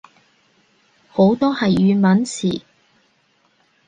好多係粵文詞